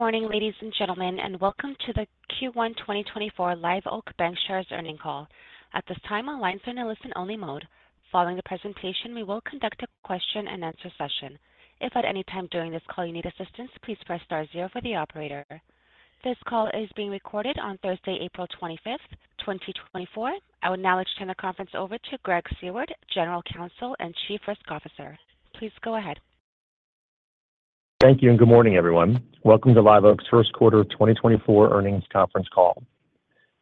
Good morning, ladies and gentlemen, and welcome to the Q1 2024 Live Oak Bancshares Earnings Call. At this time, all lines are in a listen-only mode. Following the presentation, we will conduct a question-and-answer session. If at any time during this call you need assistance, please press star zero for the operator. This call is being recorded on Thursday, April 25th, 2024. I would now like to turn the conference over to Greg Seward, General Counsel and Chief Risk Officer. Please go ahead. Thank you, and good morning, everyone. Welcome to Live Oak's first quarter 2024 earnings conference call.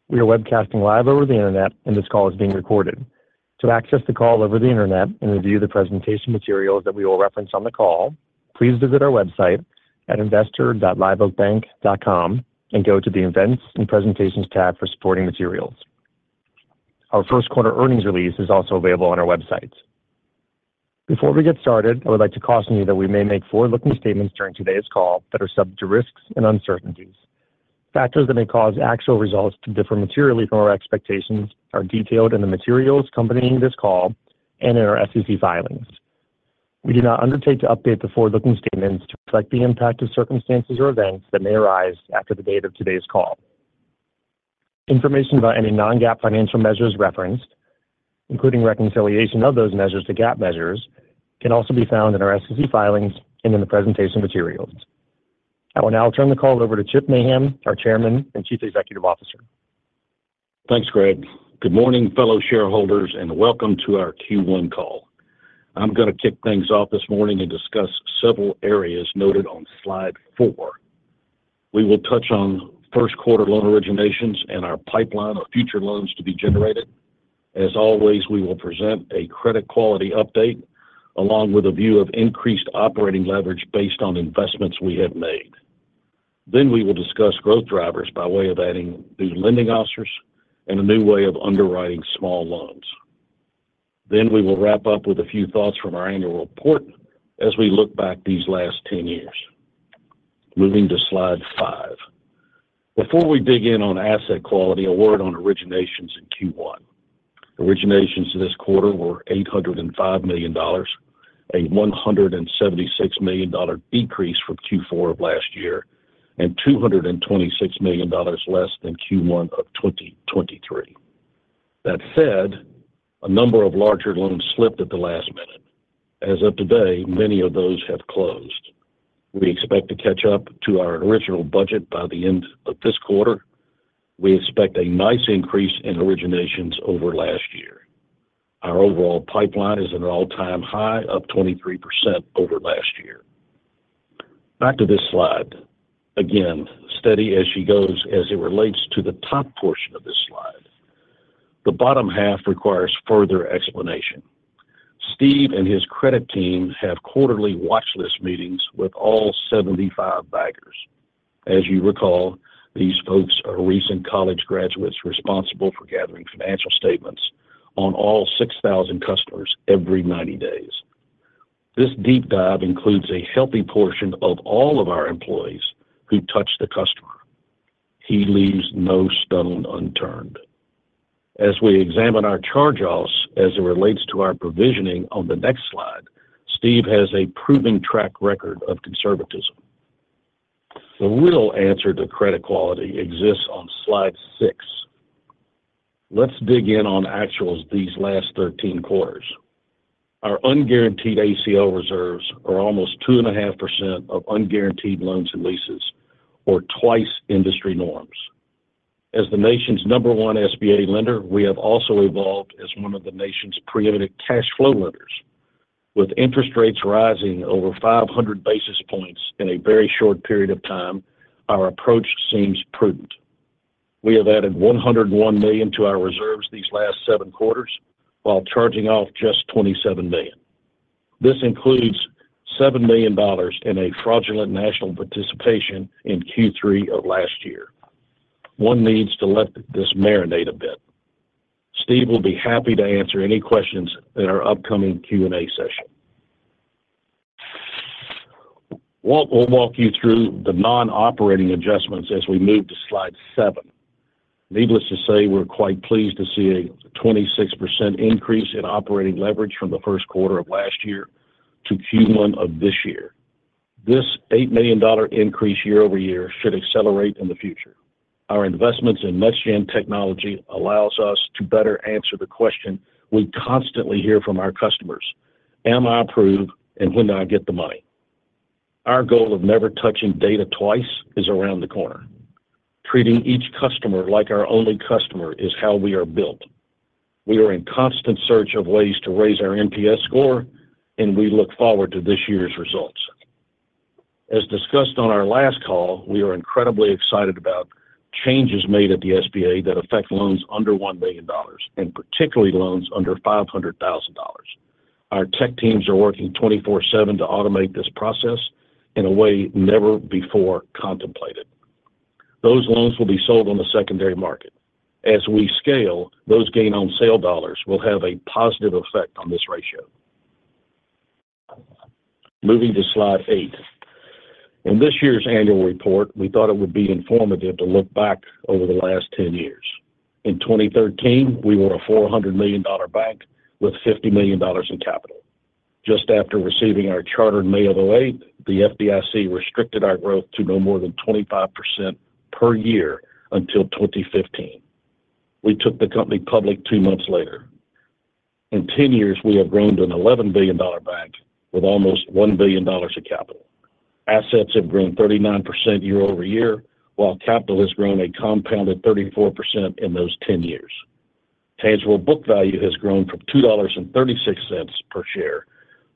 We are webcasting live over the internet, and this call is being recorded. To access the call over the internet and review the presentation materials that we will reference on the call, please visit our website at investor.liveoakbank.com and go to the Events and Presentations tab for supporting materials. Our first quarter earnings release is also available on our website. Before we get started, I would like to caution you that we may make forward-looking statements during today's call that are subject to risks and uncertainties. Factors that may cause actual results to differ materially from our expectations are detailed in the materials accompanying this call and in our SEC filings. We do not undertake to update the forward-looking statements to reflect the impact of circumstances or events that may arise after the date of today's call. Information about any non-GAAP financial measures referenced, including reconciliation of those measures to GAAP measures, can also be found in our SEC filings and in the presentation materials. I will now turn the call over to Chip Mahan, our Chairman and Chief Executive Officer. Thanks, Greg. Good morning, fellow shareholders, and welcome to our Q1 call. I'm gonna kick things off this morning and discuss several areas noted on slide four. We will touch on first quarter loan originations and our pipeline of future loans to be generated. As always, we will present a credit quality update along with a view of increased operating leverage based on investments we have made. Then we will discuss growth drivers by way of adding new lending officers and a new way of underwriting small loans. Then we will wrap up with a few thoughts from our annual report as we look back these last ten years. Moving to slide five. Before we dig in on asset quality, a word on originations in Q1. Originations this quarter were $805 million, a $176 million decrease from Q4 of last year, and $226 million less than Q1 of 2023. That said, a number of larger loans slipped at the last minute. As of today, many of those have closed. We expect to catch up to our original budget by the end of this quarter. We expect a nice increase in originations over last year. Our overall pipeline is at an all-time high, up 23% over last year. Back to this slide. Again, steady as she goes as it relates to the top portion of this slide. The bottom half requires further explanation. Steve and his credit team have quarterly watchlist meetings with all 75 bankers. As you recall, these folks are recent college graduates responsible for gathering financial statements on all 6,000 customers every 90 days. This deep dive includes a healthy portion of all of our employees who touch the customer. He leaves no stone unturned. As we examine our charge-offs as it relates to our provisioning on the next slide, Steve has a proven track record of conservatism. The real answer to credit quality exists on slide six. Let's dig in on actuals these last 13 quarters. Our unguaranteed ACL reserves are almost 2.5% of unguaranteed loans and leases, or twice industry norms. As the nation's number one SBA lender, we have also evolved as one of the nation's preeminent cash flow lenders. With interest rates rising over 500 basis points in a very short period of time, our approach seems prudent. We have added $101 million to our reserves these last 7 quarters while charging off just $27 million. This includes $7 million in a fraudulent national participation in Q3 of last year. One needs to let this marinate a bit. Steve will be happy to answer any questions in our upcoming Q&A session. We'll, we'll walk you through the non-operating adjustments as we move to slide 7. Needless to say, we're quite pleased to see a 26% increase in operating leverage from the first quarter of last year to Q1 of this year. This $8 million increase YoY should accelerate in the future. Our investments in NextGen technology allows us to better answer the question we constantly hear from our customers: Am I approved, and when do I get the money? Our goal of never touching data twice is around the corner. Treating each customer like our only customer is how we are built. We are in constant search of ways to raise our NPS score, and we look forward to this year's results. As discussed on our last call, we are incredibly excited about changes made at the SBA that affect loans under $1 million, and particularly loans under $500,000. Our tech teams are working 24/7 to automate this process in a way never before contemplated. Those loans will be sold on the secondary market. As we scale, those gain on sale dollars will have a positive effect on this ratio. Moving to slide 8. In this year's annual report, we thought it would be informative to look back over the last 10 years. In 2013, we were a $400 million bank with $50 million in capital. Just after receiving our charter in May of 2008, the FDIC restricted our growth to no more than 25% per year until 2015. We took the company public two months later. In 10 years, we have grown to an $11 billion bank with almost $1 billion of capital. Assets have grown 39% YoY, while capital has grown a compounded 34% in those 10 years. Tangible book value has grown from $2.36 per share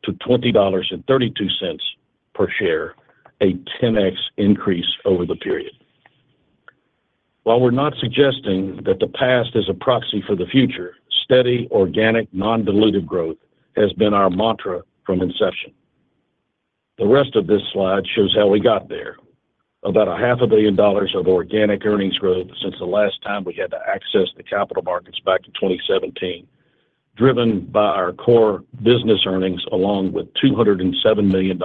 to $20.32 per share, a 10x increase over the period. While we're not suggesting that the past is a proxy for the future, steady, organic, non-dilutive growth has been our mantra from inception. The rest of this slide shows how we got there. About $500 million of organic earnings growth since the last time we had to access the capital markets back in 2017, driven by our core business earnings, along with $207 million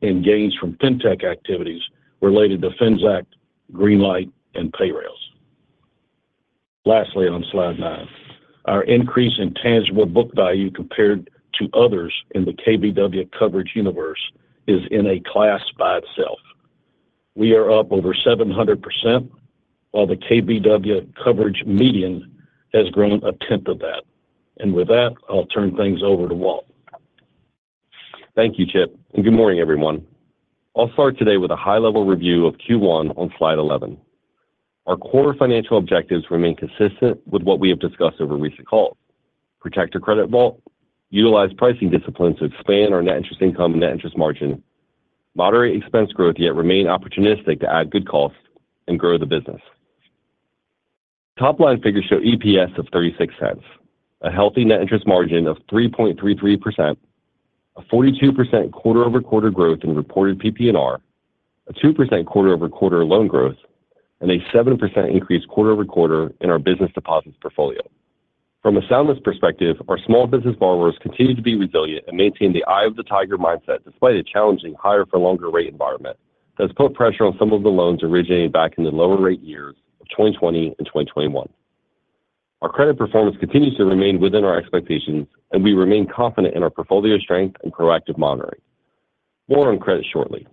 in gains from fintech activities related to Finxact, Greenlight, and Payrailz. Lastly, on slide 9, our increase in tangible book value compared to others in the KBW coverage universe is in a class by itself. We are up over 700%, while the KBW coverage median has grown a tenth of that. And with that, I'll turn things over to Walt. Thank you, Chip, and good morning, everyone. I'll start today with a high-level review of Q1 on slide 11. Our core financial objectives remain consistent with what we have discussed over recent calls. Protect our credit vault, utilize pricing discipline to expand our net interest income and net interest margin, moderate expense growth, yet remain opportunistic to add good costs and grow the business. Top-line figures show EPS of $0.36, a healthy net interest margin of 3.33%, a 42% QoQ growth in reported PPNR, a 2% QoQ loan growth, and a 7% increase QoQ in our business deposits portfolio. From a soundness perspective, our small business borrowers continue to be resilient and maintain the eye of the tiger mindset, despite a challenging higher for longer rate environment that has put pressure on some of the loans originated back in the lower rate years of 2020 and 2021. Our credit performance continues to remain within our expectations, and we remain confident in our portfolio strength and proactive monitoring. More on credit shortly.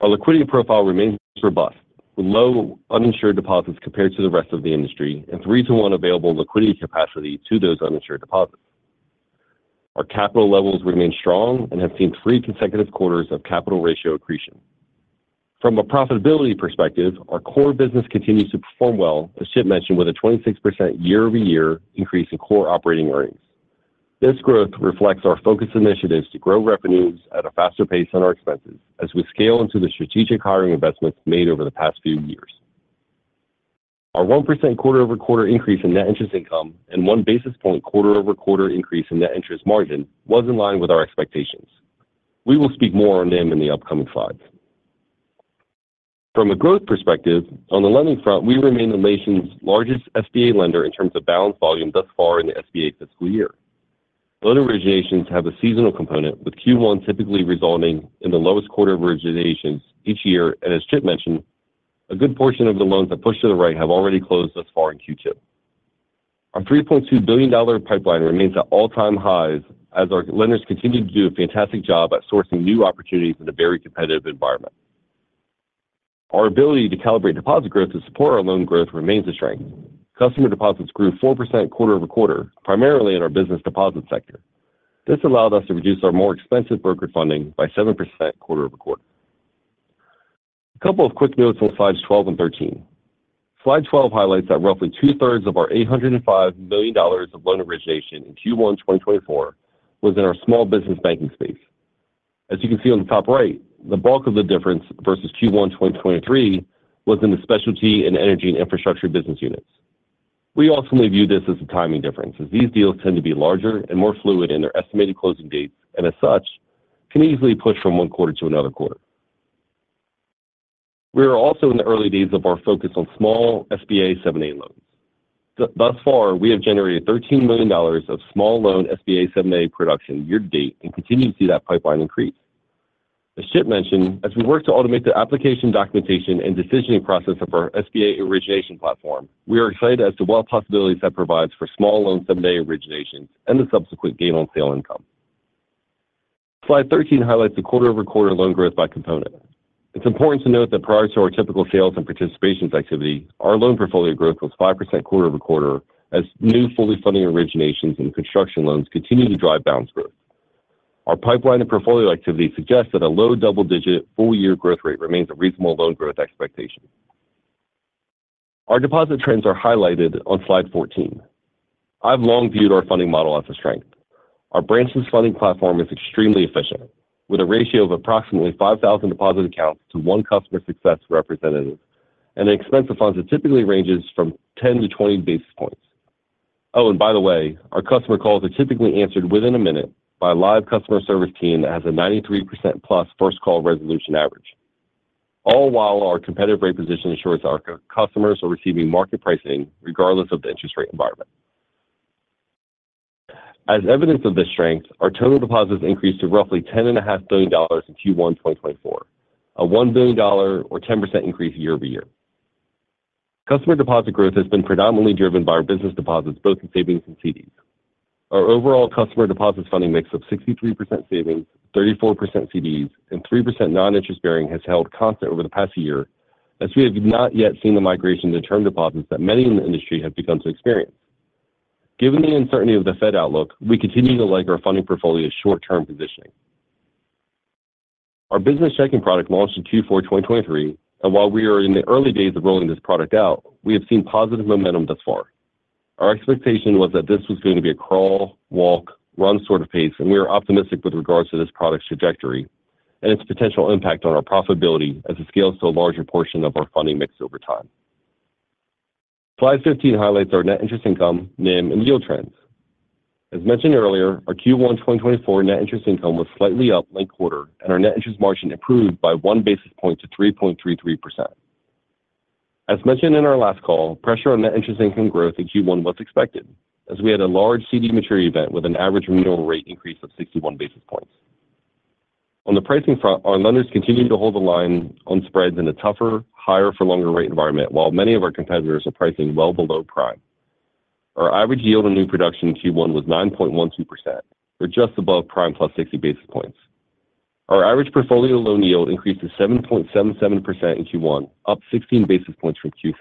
Our liquidity profile remains robust, with low uninsured deposits compared to the rest of the industry, and 3-1 available liquidity capacity to those uninsured deposits. Our capital levels remain strong and have seen three consecutive quarters of capital ratio accretion. From a profitability perspective, our core business continues to perform well, as Chip mentioned, with a 26% YoY increase in core operating earnings. This growth reflects our focus initiatives to grow revenues at a faster pace than our expenses as we scale into the strategic hiring investments made over the past few years. Our 1% QoQ increase in net interest income and 1 basis point QoQ increase in net interest margin was in line with our expectations. We will speak more on them in the upcoming slides. From a growth perspective, on the lending front, we remain the nation's largest SBA lender in terms of balance volume thus far in the SBA fiscal year. Loan originations have a seasonal component, with Q1 typically resulting in the lowest quarter of originations each year, and as Chip mentioned, a good portion of the loans that push to the right have already closed thus far in Q2. Our $3.2 billion pipeline remains at all-time highs as our lenders continue to do a fantastic job at sourcing new opportunities in a very competitive environment. Our ability to calibrate deposit growth to support our loan growth remains a strength. Customer deposits grew 4% QoQ, primarily in our business deposit sector. This allowed us to reduce our more expensive brokered funding by 7% QoQ. A couple of quick notes on slides 12 and 13. Slide 12 highlights that roughly two-thirds of our $805 million of loan origination in Q1 2024 was in our Small Business Banking space. As you can see on the top right, the bulk of the difference versus Q1 2023 was in the Specialty and Energy and Infrastructure business units. We ultimately view this as a timing difference, as these deals tend to be larger and more fluid in their estimated closing dates, and as such, can easily push from one quarter to another quarter. We are also in the early days of our focus on small SBA 7(a) loans. Thus far, we have generated $13 million of small loan SBA 7(a) production year to date and continue to see that pipeline increase. As Chip mentioned, as we work to automate the application, documentation, and decisioning process of our SBA origination platform, we are excited as to what possibilities that provides for small loan 7(a) originations and the subsequent gain on sale income. Slide 13 highlights the QoQ loan growth by component. It's important to note that prior to our typical sales and participations activity, our loan portfolio growth was 5% QoQ, as new fully funding originations and construction loans continue to drive balance growth. Our pipeline and portfolio activity suggests that a low double-digit full-year growth rate remains a reasonable loan growth expectation. Our deposit trends are highlighted on slide 14. I've long viewed our funding model as a strength. Our branchless funding platform is extremely efficient, with a ratio of approximately 5,000 deposit accounts to one customer success representative, and the cost of funds that typically ranges from 10-20 basis points. Oh, and by the way, our customer calls are typically answered within a minute by a live customer service team that has a 93%+ first call resolution average. All while our competitive rate position ensures our customers are receiving market pricing regardless of the interest rate environment. As evidence of this strength, our total deposits increased to roughly $10.5 billion in Q1 2024, a $1 billion or 10% increase YoY. Customer deposit growth has been predominantly driven by our business deposits, both in savings and CDs. Our overall customer deposits funding mix of 63% savings, 34% CDs, and 3% non-interest bearing has held constant over the past year, as we have not yet seen the migration to term deposits that many in the industry have begun to experience. Given the uncertainty of the Fed outlook, we continue to like our funding portfolio's short-term positioning. Our Business Checking product launched in Q4 2023, and while we are in the early days of rolling this product out, we have seen positive momentum thus far. Our expectation was that this was going to be a crawl, walk, run sort of pace, and we are optimistic with regards to this product's trajectory and its potential impact on our profitability as it scales to a larger portion of our funding mix over time. Slide 15 highlights our net interest income, NIM, and yield trends. As mentioned earlier, our Q1 2024 net interest income was slightly up, linked quarter, and our net interest margin improved by 1 basis point to 3.33%. As mentioned in our last call, pressure on net interest income growth in Q1 was expected, as we had a large CD maturity event with an average renewal rate increase of 61 basis points. On the pricing front, our lenders continued to hold the line on spreads in a tougher, higher for longer rate environment, while many of our competitors are pricing well below prime. Our average yield on new production in Q1 was 9.12%, or just above prime + 60 basis points. Our average portfolio loan yield increased to 7.77% in Q1, up 16 basis points from Q4.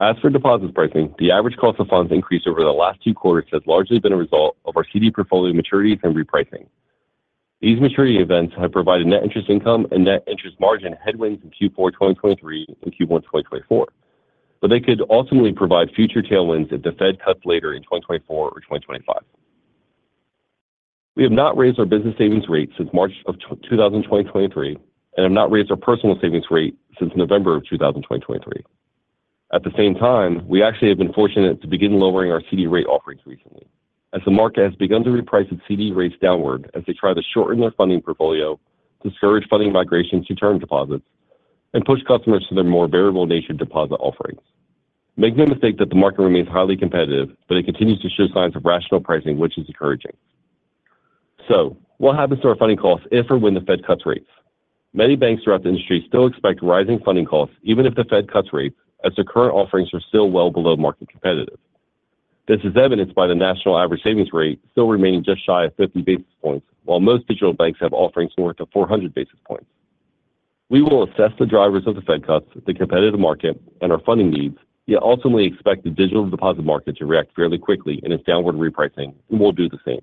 As for deposits pricing, the average cost of funds increase over the last two quarters has largely been a result of our CD portfolio maturities and repricing. These maturity events have provided net interest income and net interest margin headwinds in Q4 2023 and Q1 2024, but they could ultimately provide future tailwinds if the Fed cuts later in 2024 or 2025. We have not raised our business savings rate since March of 2023, and have not raised our personal savings rate since November of 2023. At the same time, we actually have been fortunate to begin lowering our CD rate offerings recently, as the market has begun to reprice its CD rates downward as they try to shorten their funding portfolio, discourage funding migration to term deposits, and push customers to their more variable nature deposit offerings. Make no mistake that the market remains highly competitive, but it continues to show signs of rational pricing, which is encouraging. So what happens to our funding costs if or when the Fed cuts rates? Many banks throughout the industry still expect rising funding costs, even if the Fed cuts rates, as their current offerings are still well below market competitive. This is evidenced by the national average savings rate still remaining just shy of 50 basis points, while most digital banks have offerings north of 400 basis points. We will assess the drivers of the Fed cuts, the competitive market, and our funding needs, yet ultimately expect the digital deposit market to react fairly quickly in its downward repricing, and we'll do the same.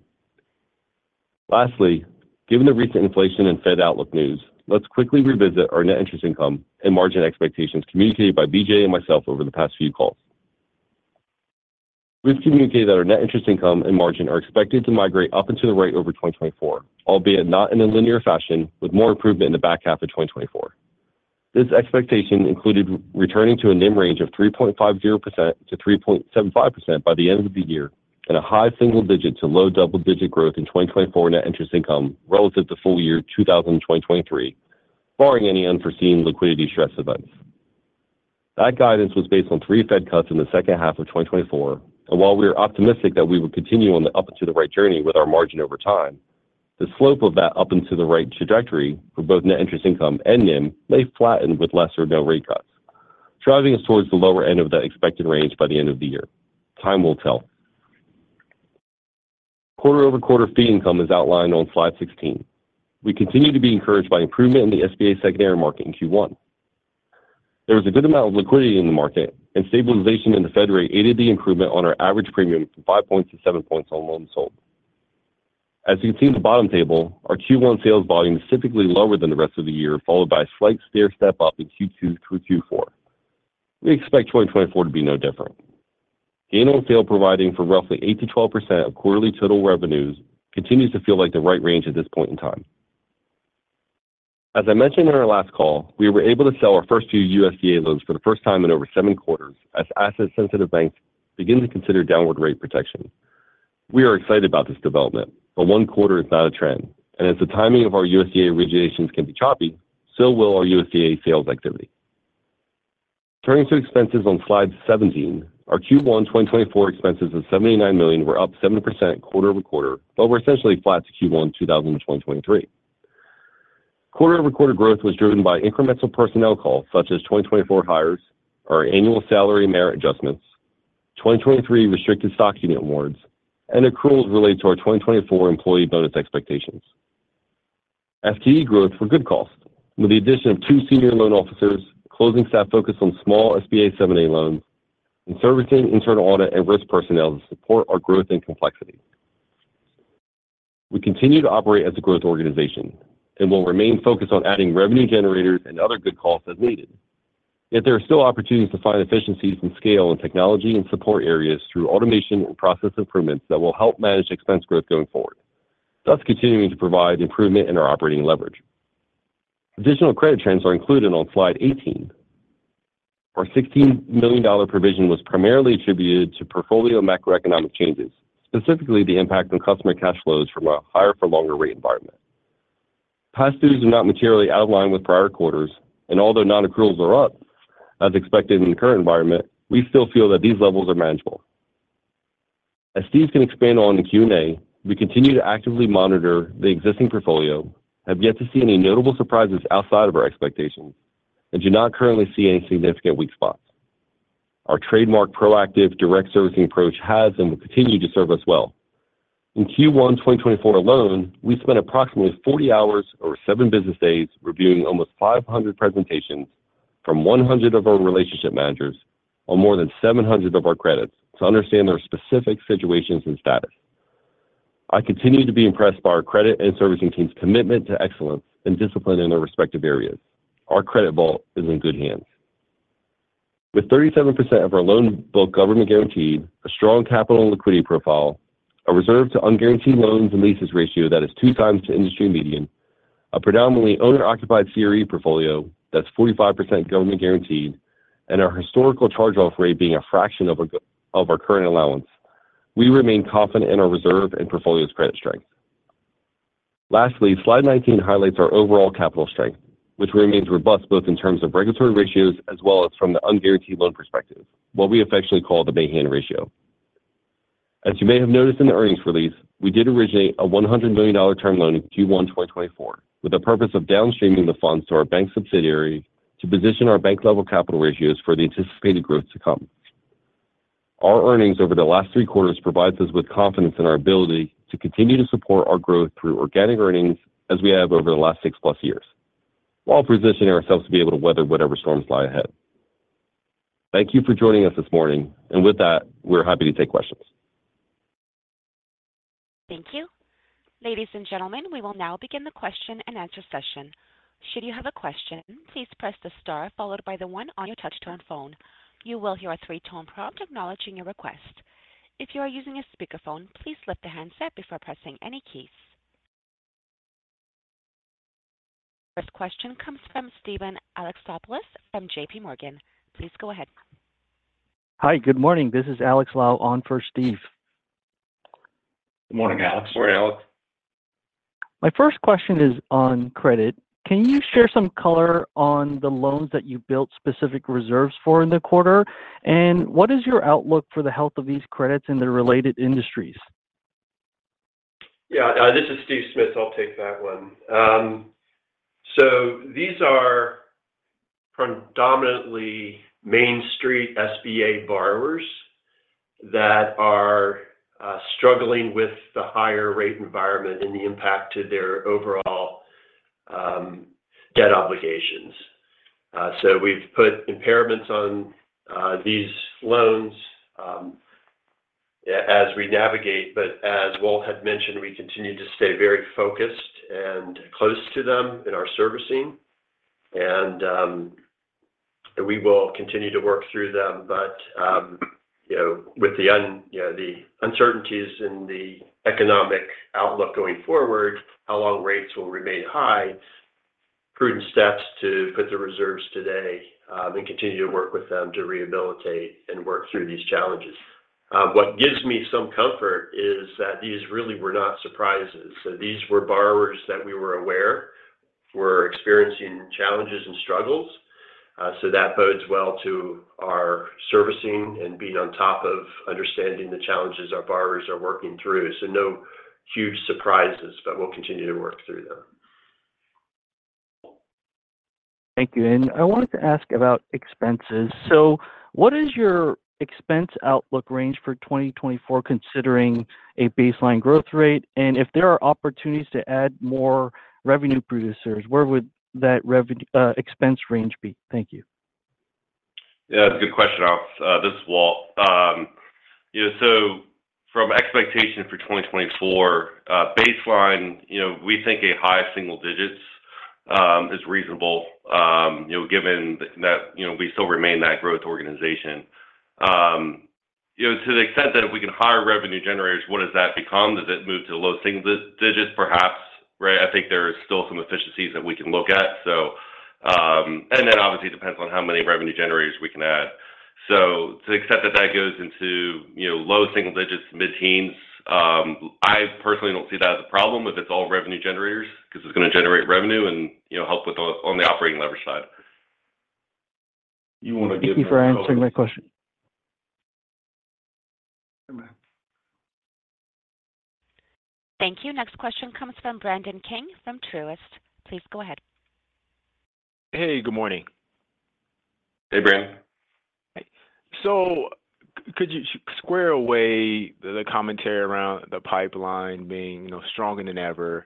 Lastly, given the recent inflation and Fed outlook news, let's quickly revisit our net interest income and margin expectations communicated by BJ and myself over the past few calls. We've communicated that our net interest income and margin are expected to migrate up into the right over 2024, albeit not in a linear fashion, with more improvement in the back half of 2024. This expectation included returning to a NIM range of 3.50%-3.75% by the end of the year, and a high single-digit to low double-digit growth in 2024 net interest income relative to full year 2023, barring any unforeseen liquidity stress events. That guidance was based on three Fed cuts in the second half of 2024, and while we are optimistic that we will continue on the up and to the right journey with our margin over time, the slope of that up and to the right trajectory for both net interest income and NIM may flatten with less or no rate cuts, driving us towards the lower end of the expected range by the end of the year. Time will tell. QoQ fee income is outlined on slide 16. We continue to be encouraged by improvement in the SBA secondary market in Q1. There was a good amount of liquidity in the market and stabilization in the Fed rate aided the improvement on our average premium from 5 points to 7 points on loans sold. As you can see in the bottom table, our Q1 sales volume is typically lower than the rest of the year, followed by a slight stair step up in Q2 through Q4. We expect 2024 to be no different. Gain on sale providing for roughly 8%-12% of quarterly total revenues continues to feel like the right range at this point in time. As I mentioned in our last call, we were able to sell our first few USDA loans for the first time in over 7 quarters as asset-sensitive banks begin to consider downward rate protection. We are excited about this development, but one quarter is not a trend, and as the timing of our USDA originations can be choppy, so will our USDA sales activity. Turning to expenses on slide 17, our Q1 2024 expenses of $79 million were up 7% QoQ, but were essentially flat to Q1 2023. QoQ growth was driven by incremental personnel costs, such as 2024 hires, our annual salary merit adjustments, 2023 restricted stock unit awards, and accruals related to our 2024 employee bonus expectations. FTE growth were good costs, with the addition of 2 senior loan officers, closing staff focused on small SBA 7(a) loans and servicing internal audit and risk personnel to support our growth and complexity. We continue to operate as a growth organization and will remain focused on adding revenue generators and other good costs as needed. Yet there are still opportunities to find efficiencies and scale in technology and support areas through automation and process improvements that will help manage expense growth going forward, thus continuing to provide improvement in our operating leverage. Additional credit trends are included on slide 18. Our $16 million provision was primarily attributed to portfolio macroeconomic changes, specifically the impact on customer cash flows from a higher for longer rate environment. Past dues are not materially outlined with prior quarters, and although non-accruals are up, as expected in the current environment, we still feel that these levels are manageable. As Steve can expand on in the Q&A, we continue to actively monitor the existing portfolio, have yet to see any notable surprises outside of our expectations, and do not currently see any significant weak spots. Our trademark proactive, direct servicing approach has and will continue to serve us well. In Q1 2024 alone, we spent approximately 40 hours or 7 business days reviewing almost 500 presentations from 100 of our relationship managers on more than 700 of our credits to understand their specific situations and status. I continue to be impressed by our credit and servicing team's commitment to excellence and discipline in their respective areas. Our credit vault is in good hands. With 37% of our loan book government guaranteed, a strong capital and liquidity profile, a reserve to unguaranteed loans and leases ratio that is two times the industry median, a predominantly owner-occupied CRE portfolio that's 45% government guaranteed, and our historical charge-off rate being a fraction of our of our current allowance, we remain confident in our reserve and portfolio's credit strength. Lastly, slide 19 highlights our overall capital strength, which remains robust both in terms of regulatory ratios as well as from the unguaranteed loan perspective, what we affectionately call the Mahan ratio. As you may have noticed in the earnings release, we did originate a $100 million term loan in Q1 2024, with the purpose of downstreaming the funds to our bank subsidiary to position our bank level capital ratios for the anticipated growth to come. Our earnings over the last three quarters provides us with confidence in our ability to continue to support our growth through organic earnings as we have over the last six-plus years, while positioning ourselves to be able to weather whatever storms lie ahead. Thank you for joining us this morning, and with that, we're happy to take questions. Thank you. Ladies and gentlemen, we will now begin the question-and-answer session. Should you have a question, please press the star followed by the one on your touchtone phone. You will hear a three-tone prompt acknowledging your request. If you are using a speakerphone, please lift the handset before pressing any keys. First question comes from Steven Alexopoulos from J.P. Morgan. Please go ahead. Hi, good morning. This is Alex Lau on for Steve. Good morning, Alex. Morning, Alex. My first question is on credit. Can you share some color on the loans that you built specific reserves for in the quarter? And what is your outlook for the health of these credits in the related industries? Yeah, this is Steve Smits. I'll take that one. So these are predominantly Main Street SBA borrowers that are struggling with the higher rate environment and the impact to their overall debt obligations. So we've put impairments on these loans as we navigate. But as Walt had mentioned, we continue to stay very focused and close to them in our servicing, and we will continue to work through them. But you know, with the uncertainties in the economic outlook going forward, how long rates will remain high, prudent steps to put the reserves today, and continue to work with them to rehabilitate and work through these challenges. What gives me some comfort is that these really were not surprises. So these were borrowers that we were aware were experiencing challenges and struggles. So that bodes well to our servicing and being on top of understanding the challenges our borrowers are working through. So no huge surprises, but we'll continue to work through them. Thank you. I wanted to ask about expenses. What is your expense outlook range for 2024, considering a baseline growth rate? If there are opportunities to add more revenue producers, where would that revenue expense range be? Thank you. Yeah, good question, Alex. This is Walt. You know, so from expectation for 2024, baseline, you know, we think a high single digits is reasonable, you know, given that, you know, we still remain that growth organization. You know, to the extent that if we can hire revenue generators, what does that become? Does it move to low single digits, perhaps? Right. I think there are still some efficiencies that we can look at. So, and that obviously depends on how many revenue generators we can add. So to the extent that that goes into, you know, low single digits, mid-teens, I personally don't see that as a problem if it's all revenue generators, because it's going to generate revenue and, you know, help with on the operating leverage side. You want to give them- Thank you for answering my question. You're welcome. Thank you. Next question comes from Brandon King from Truist. Please go ahead. Hey, good morning. Hey, Brandon. So could you square away the commentary around the pipeline being, you know, stronger than ever,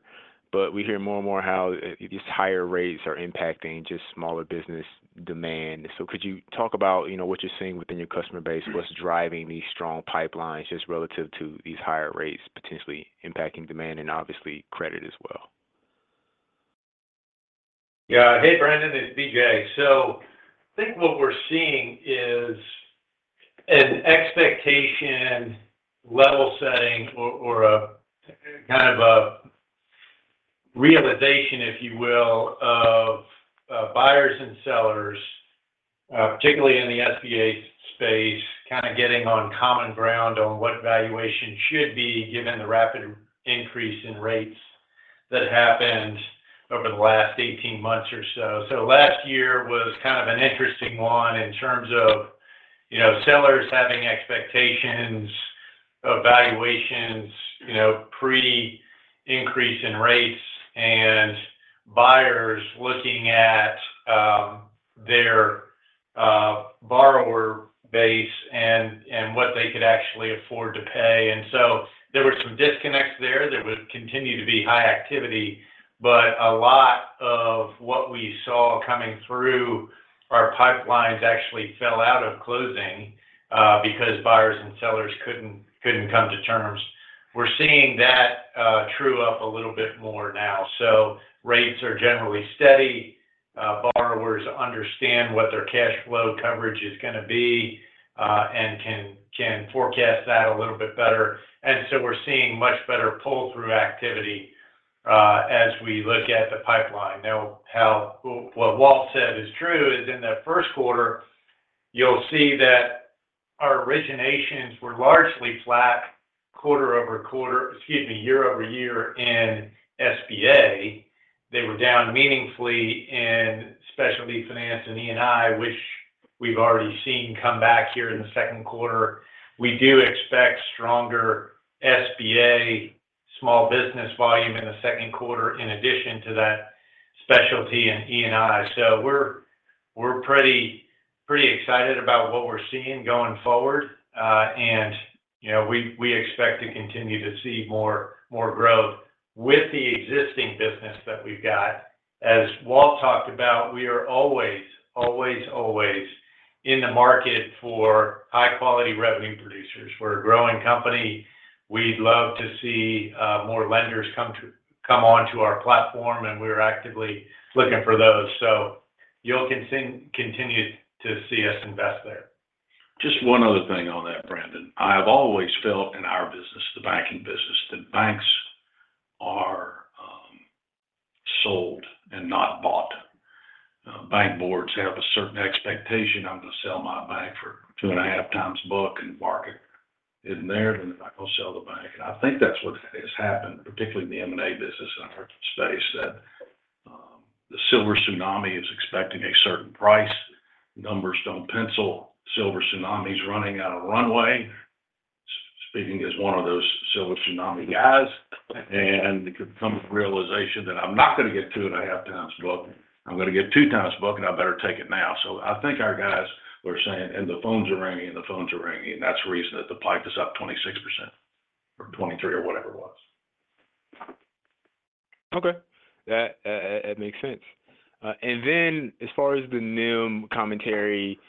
but we hear more and more how these higher rates are impacting just smaller business demand? So could you talk about, you know, what you're seeing within your customer base? What's driving these strong pipelines just relative to these higher rates potentially impacting demand and obviously credit as well? Yeah. Hey, Brandon, it's BJ. So I think what we're seeing is an expectation, level setting or, or a kind of a realization, if you will, of buyers and sellers, particularly in the SBA space, kind of getting on common ground on what valuation should be given the rapid increase in rates.... that happened over the last 18 months or so. So last year was kind of an interesting one in terms of, you know, sellers having expectations of valuations, you know, pre-increase in rates, and buyers looking at their borrower base and what they could actually afford to pay. And so there were some disconnects there. There would continue to be high activity, but a lot of what we saw coming through our pipelines actually fell out of closing because buyers and sellers couldn't come to terms. We're seeing that true up a little bit more now. So rates are generally steady. Borrowers understand what their cash flow coverage is gonna be and can forecast that a little bit better. And so we're seeing much better pull-through activity as we look at the pipeline. Now, what Walt said is true, is in that first quarter, you'll see that our originations were largely flat quarter over quarter, excuse me, year over year in SBA. They were down meaningfully in specialty finance and E&I, which we've already seen come back here in the second quarter. We do expect stronger SBA small business volume in the second quarter, in addition to that specialty in E&I. So we're, we're pretty, pretty excited about what we're seeing going forward. And, you know, we, we expect to continue to see more, more growth with the existing business that we've got. As Walt talked about, we are always, always, always in the market for high-quality revenue producers. We're a growing company. We'd love to see, more lenders come to-- come onto our platform, and we're actively looking for those. So you'll continue to see us invest there. Just one other thing on that, Brandon. I have always felt in our business, the banking business, that banks are sold and not bought. Bank boards have a certain expectation, I'm gonna sell my bank for 2.5x book, and market in there, then they're not gonna sell the bank. And I think that's what has happened, particularly in the M&A business and our space, that the silver tsunami is expecting a certain price. Numbers don't pencil. Silver tsunami's running out of runway, speaking as one of those silver tsunami guys, and it could come to realization that I'm not gonna get 2.5x book. I'm gonna get 2x book, and I better take it now. I think our guys were saying, "And the phones are ringing, the phones are ringing," and that's the reason that the pipe is up 26% or 23, or whatever it was. Okay. That, that makes sense. And then, as far as the NIM commentary,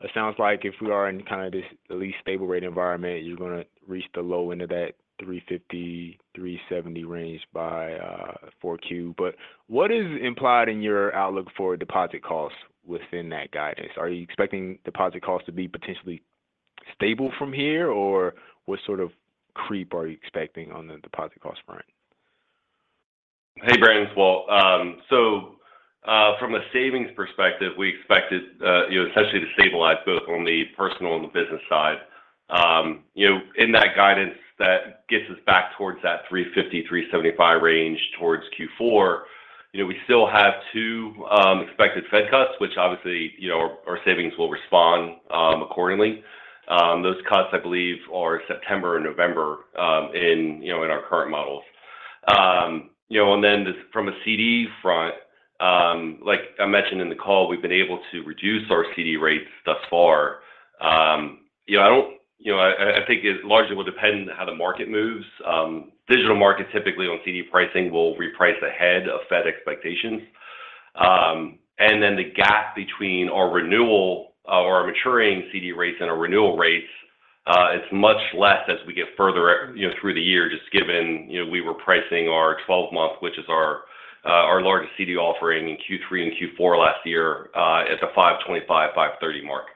it sounds like if we are in kind of this at least stable rate environment, you're gonna reach the low end of that 350-370 range by Q4. But what is implied in your outlook for deposit costs within that guidance? Are you expecting deposit costs to be potentially stable from here, or what sort of creep are you expecting on the deposit cost front? Hey, Brandon. It's Walt. So, from a savings perspective, we expect it, you know, essentially to stabilize both on the personal and the business side. You know, in that guidance, that gets us back towards that 350-375 range towards Q4. You know, we still have two expected Fed cuts, which obviously, you know, our savings will respond accordingly. Those cuts, I believe, are September and November, in, you know, in our current models. You know, and then this from a CD front, like I mentioned in the call, we've been able to reduce our CD rates thus far. You know, I don't-- you know, I, I, think it largely will depend on how the market moves. Digital markets, typically on CD pricing, will reprice ahead of Fed expectations. and then the gap between our renewal or our maturing CD rates and our renewal rates is much less as we get further, you know, through the year, just given, you know, we were pricing our 12-month, which is our, our largest CD offering in Q3 and Q4 last year, at the 5.25, 5.30 mark.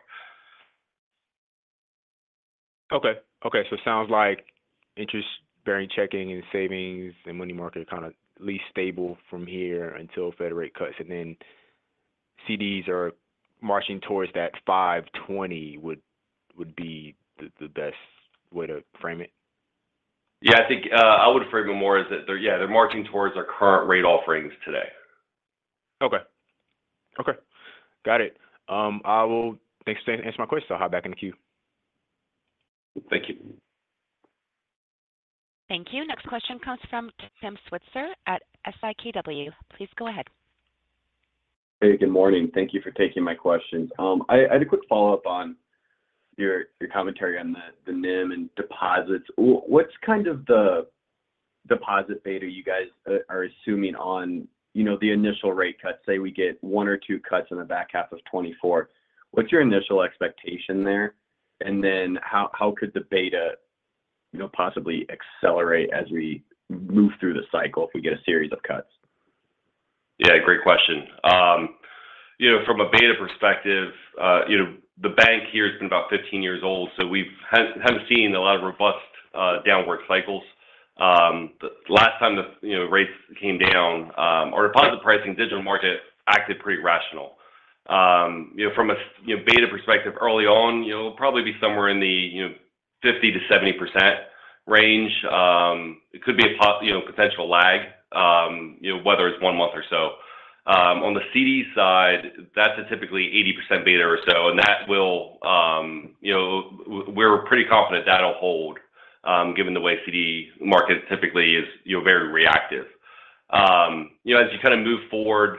Okay, so it sounds like interest-bearing checking and savings and money market are kinda at least stable from here until federal rate cuts, and then CDs are marching towards that 5.20, would be the best way to frame it? Yeah, I think, I would frame it more as that they're, yeah, they're marching towards our current rate offerings today. Okay. Okay, got it. Thanks again for answering my question. So I'll hop back in the queue. Thank you. Thank you. Next question comes from Tim Switzer at KBW. Please go ahead. Hey, good morning. Thank you for taking my questions. I had a quick follow-up on your commentary on the NIM and deposits. What's kind of the deposit beta you guys are assuming on, you know, the initial rate cut? Say, we get one or two cuts in the back half of 2024, what's your initial expectation there? And then how could the beta, you know, possibly accelerate as we move through the cycle if we get a series of cuts? Yeah, great question. You know, from a beta perspective, you know, the bank here has been about 15 years old, so we haven't seen a lot of robust, downward cycles. The last time the, you know, rates came down. Our deposit pricing digital market acted pretty rational. You know, from a, you know, beta perspective, early on, you know, probably be somewhere in the, you know, 50%-70% range. It could be a potential lag, you know, whether it's 1 month or so. On the CD side, that's typically 80% beta or so, and that will, you know, we're pretty confident that'll hold, given the way CD market typically is, you know, very reactive. You know, as you kind of move forward,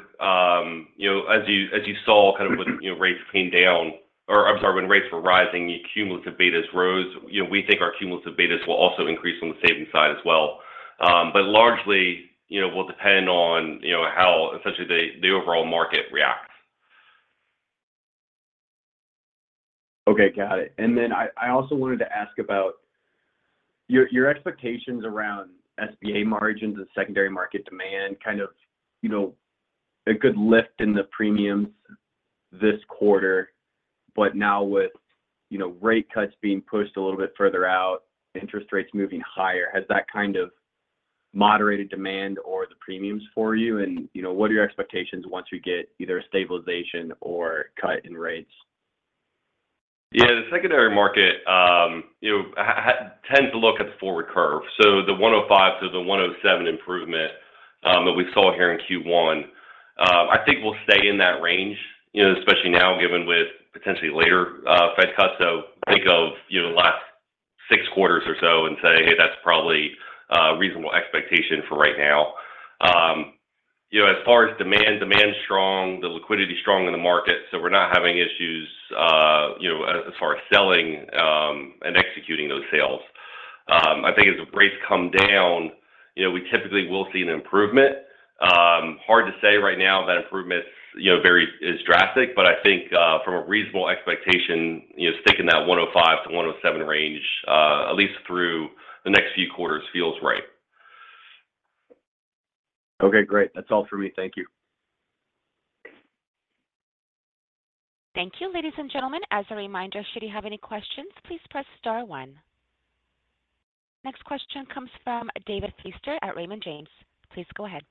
you know, as you, as you saw, kind of when, you know, rates came down, or I'm sorry, when rates were rising, the cumulative betas rose. You know, we think our cumulative betas will also increase on the savings side as well. But largely, you know, will depend on, you know, how essentially the, the overall market reacts. Okay, got it. And then I, I also wanted to ask about your, your expectations around SBA margins and secondary market demand. Kind of, you know, a good lift in the premiums this quarter, but now with, you know, rate cuts being pushed a little bit further out, interest rates moving higher, has that kind of moderated demand or the premiums for you? And, you know, what are your expectations once you get either a stabilization or cut in rates? Yeah, the secondary market, you know, tends to look at the forward curve. So the 105 to the 107 improvement, that we saw here in Q1, I think will stay in that range, you know, especially now, given with potentially later Fed cuts. So think of, you know, last 6 quarters or so and say, "Hey, that's probably a reasonable expectation for right now." You know, as far as demand, demand is strong, the liquidity is strong in the market, so we're not having issues, you know, as, as far as selling, and executing those sales. I think as the rates come down, you know, we typically will see an improvement. Hard to say right now, that improvement, you know, is drastic, but I think, from a reasonable expectation, you know, sticking that 105-107 range, at least through the next few quarters feels right. Okay, great. That's all for me. Thank you. Thank you. Ladies and gentlemen, as a reminder, should you have any questions, please press star one. Next question comes from David Feaster at Raymond James. Please go ahead.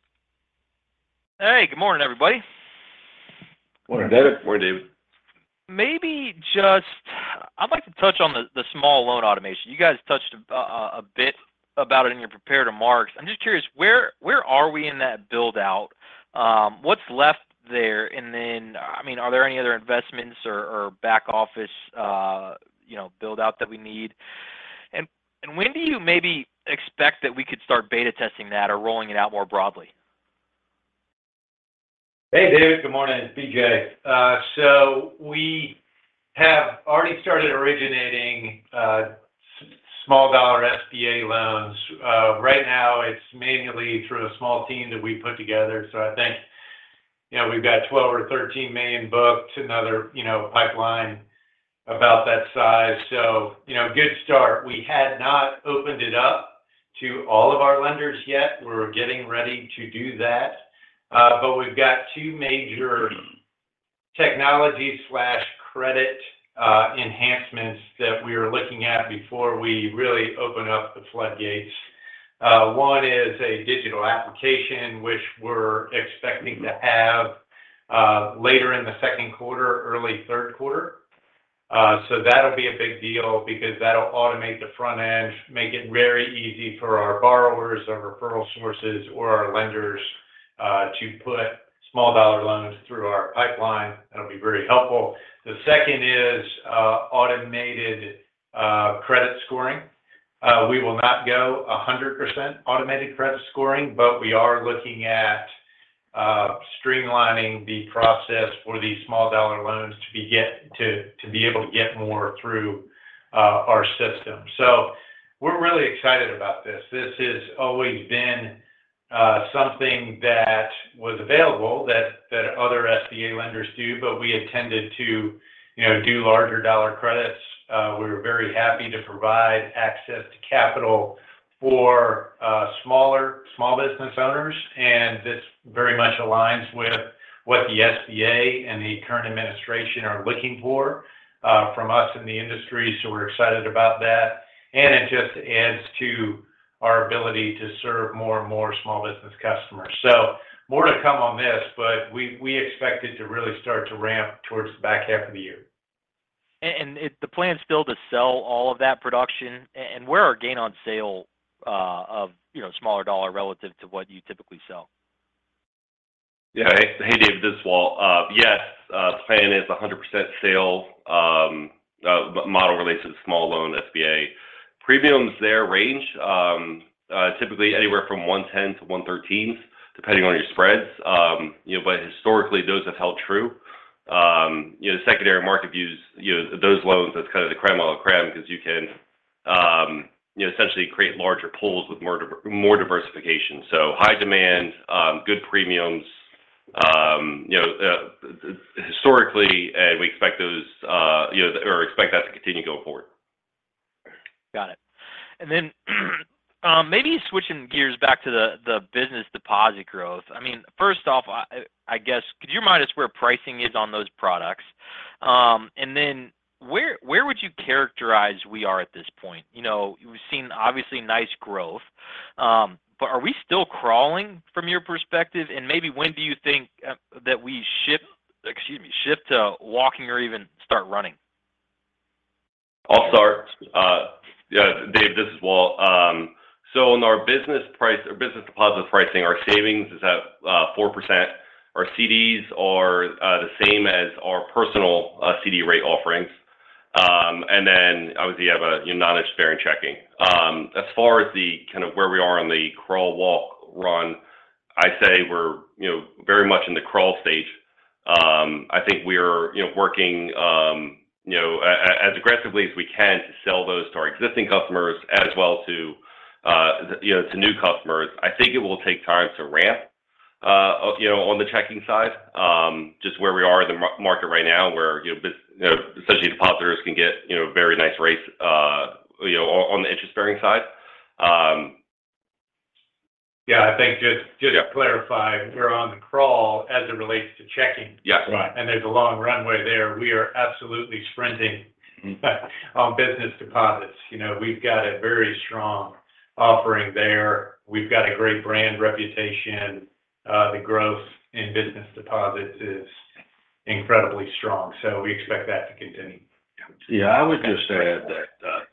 Hey, good morning, everybody. Morning, David. Morning, David. Maybe just, I'd like to touch on the small loan automation. You guys touched a bit about it in your prepared remarks. I'm just curious, where are we in that build-out? What's left there? And then, I mean, are there any other investments or back office, you know, build-out that we need? And when do you maybe expect that we could start beta testing that or rolling it out more broadly? Hey, David. Good morning, it's BJ. So we have already started originating small dollar SBA loans. Right now, it's manually through a small team that we put together. So I think, you know, we've got $12 million-$13 million booked, another, you know, pipeline about that size. So, you know, good start. We had not opened it up to all of our lenders yet. We're getting ready to do that, but we've got two major technology/credit enhancements that we are looking at before we really open up the floodgates. One is a digital application, which we're expecting to have later in the second quarter, early third quarter. So that'll be a big deal because that'll automate the front edge, make it very easy for our borrowers, our referral sources, or our lenders to put small dollar loans through our pipeline. That'll be very helpful. The second is automated credit scoring. We will not go 100% automated credit scoring, but we are looking at streamlining the process for these small dollar loans to be able to get more through our system. So we're really excited about this. This has always been something that was available that other SBA lenders do, but we intended to, you know, do larger dollar credits. We were very happy to provide access to capital for smaller small business owners, and this very much aligns with what the SBA and the current administration are looking for from us in the industry. So we're excited about that, and it just adds to our ability to serve more and more small business customers. More to come on this, but we expect it to really start to ramp towards the back half of the year. The plan is still to sell all of that production. And where are gains on sale of, you know, smaller dollar relative to what you typically sell? Yeah. Hey, David, this is Walt. Yes, the plan is 100% sale, model related to small loan SBA. Premiums there range, typically anywhere from 110 to 113, depending on your spreads. You know, but historically, those have held true. You know, the secondary market views, you know, those loans as kind of the crème of the crème because you can, you know, essentially create larger pools with more diversification. So high demand, good premiums, you know, historically, and we expect those, you know, or expect that to continue going forward. Got it. And then, maybe switching gears back to the business deposit growth. I mean, first off, I guess, could you remind us where pricing is on those products? And then where would you characterize we are at this point? You know, we've seen obviously nice growth, but are we still crawling from your perspective? And maybe when do you think that we ship, excuse me, shift to walking or even start running? I'll start. Yeah, Dave, this is Walt. So in our business pricing or business deposits pricing, our savings is at 4%. Our CDs are the same as our personal CD rate offerings. And then obviously, you have a, you know, non-interest bearing checking. As far as the kind of where we are on the crawl, walk, run, I'd say we're, you know, very much in the crawl stage. I think we're, you know, working, you know, as aggressively as we can to sell those to our existing customers as well to, you know, to new customers. I think it will take time to ramp, you know, on the checking side, just where we are in the market right now, where, you know, essentially, depositors can get, you know, very nice rates, you know, on the interest bearing side. Yeah, I think just, just to clarify, we're on the crawl as it relates to checking. Yes. Right. There's a long runway there. We are absolutely sprinting on business deposits. You know, we've got a very strong offering there. We've got a great brand reputation. The growth in business deposits is incredibly strong, so we expect that to continue. Yeah, I would just add that,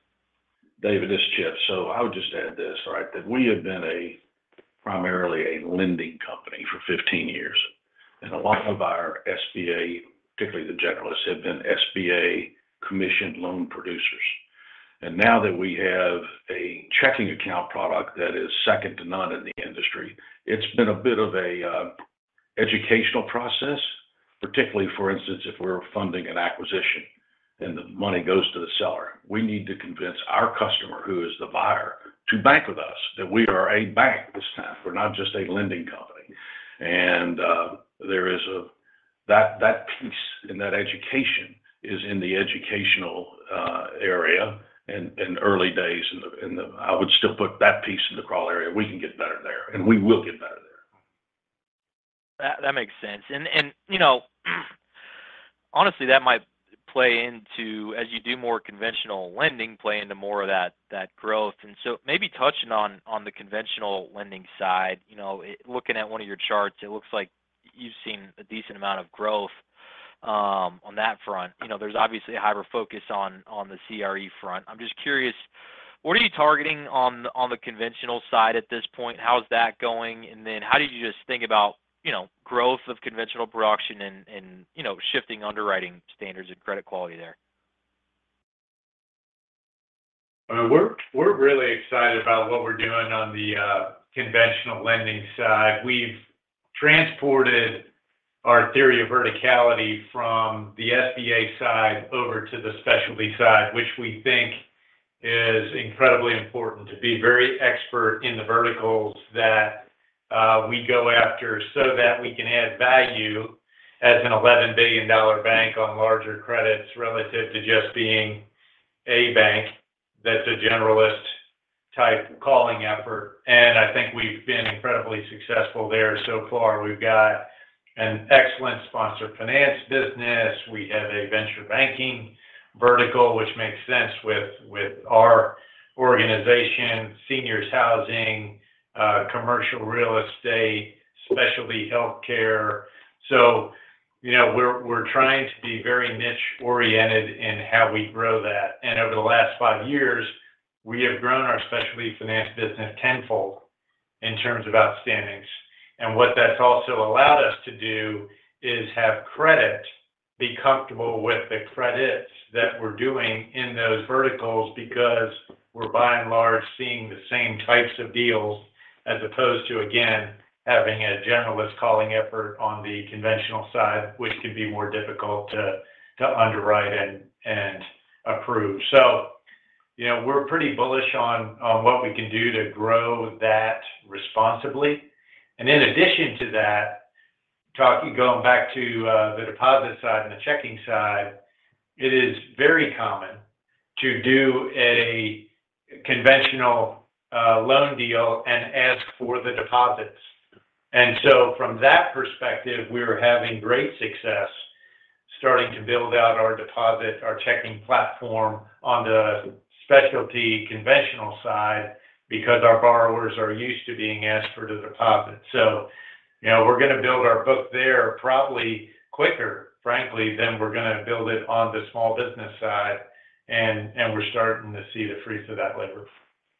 David, this is Chip. So I would just add this, all right, that we have been primarily a lending company for 15 years, and a lot of our SBA, particularly the generalists, have been SBA-commissioned loan producers. And now that we have a checking account product that is second to none in the industry, it's been a bit of an educational process, particularly, for instance, if we're funding an acquisition and the money goes to the seller. We need to convince our customer, who is the buyer, to bank with us, that we are a bank this time. We're not just a lending company. And there is a—that piece in that education is in the educational area and early days in the... I would still put that piece in the crawl area. We can get better there, and we will get better there. That makes sense. And you know, honestly, that might play into, as you do more conventional lending, play into more of that growth. So maybe touching on the conventional lending side, you know, looking at one of your charts, it looks like you've seen a decent amount of growth on that front. You know, there's obviously a hyper focus on the CRE front. I'm just curious, what are you targeting on the conventional side at this point? How is that going? And then how did you just think about, you know, growth of conventional production and shifting underwriting standards and credit quality there? We're really excited about what we're doing on the conventional lending side. We've transported our theory of verticality from the SBA side over to the specialty side, which we think is incredibly important to be very expert in the verticals that we go after so that we can add value as an $11 billion bank on larger credits, relative to just being a bank that's a generalist-type calling effort. And I think we've been incredibly successful there so far. We've got an excellent sponsor finance business. We have a venture banking vertical, which makes sense with our organization, seniors housing, commercial real estate, specialty healthcare. So, you know, we're trying to be very niche oriented in how we grow that. And over the last five years, we have grown our specialty finance business tenfold in terms of outstandings. And what that's also allowed us to do is have credit be comfortable with the credits that we're doing in those verticals, because we're by and large seeing the same types of deals as opposed to, again, having a generalist calling effort on the conventional side, which can be more difficult to underwrite and approve. So, you know, we're pretty bullish on what we can do to grow that responsibly. And in addition to that, going back to the deposit side and the checking side, it is very common to do a conventional loan deal and ask for the deposits. And so from that perspective, we're having great success starting to build out our deposit, our checking platform on the specialty conventional side, because our borrowers are used to being asked for the deposit. So you know, we're gonna build our book there probably quicker, frankly, than we're gonna build it on the small business side, and we're starting to see the fruits of that labor.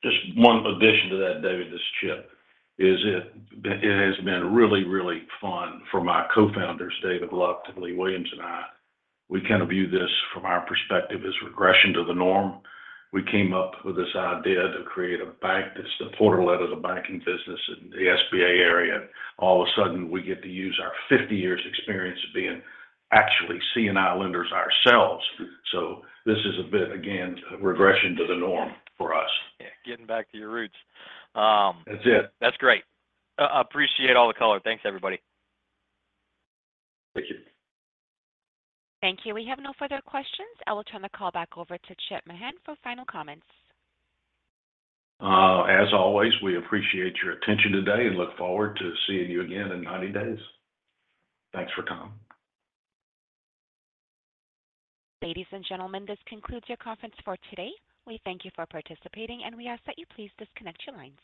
Just one addition to that, David, this is Chip. It has been really, really fun for my cofounders, David Love, Billy Williams, and I. We kind of view this from our perspective as regression to the norm. We came up with this idea to create a bank that's the fourth leader of the banking business in the SBA area. All of a sudden, we get to use our 50 years experience of being actually C&I lenders ourselves. So this is a bit, again, regression to the norm for us. Yeah, getting back to your roots. That's it. That's great. Appreciate all the color. Thanks, everybody. Thank you. Thank you. We have no further questions. I will turn the call back over to Chip Mahan for final comments. As always, we appreciate your attention today, and look forward to seeing you again in 90 days. Thanks for coming. Ladies and gentlemen, this concludes your conference for today. We thank you for participating, and we ask that you please disconnect your lines.